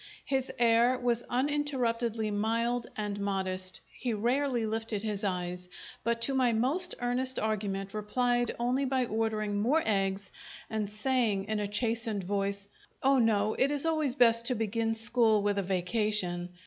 His air was uninterruptedly mild and modest; he rarely lifted his eyes, but to my most earnest argument replied only by ordering more eggs and saying in a chastened voice: "Oh no; it is always best to begin school with a vacation.